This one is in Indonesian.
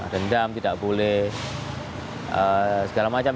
dendam tidak boleh segala macam